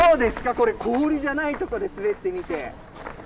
これ、氷じゃない所で滑ってみて。